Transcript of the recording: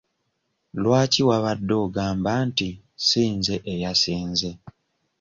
Lwaki wabadde ogamba nti si nze eyasinze?